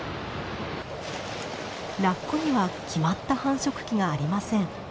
ラッコには決まった繁殖期がありません。